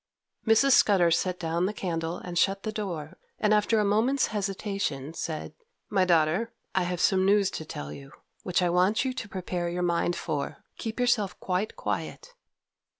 Mrs. Scudder set down the candle and shut the door, and after a moment's hesitation, said, 'My daughter, I have some news to tell you, which I want you to prepare your mind for. Keep yourself quite quiet.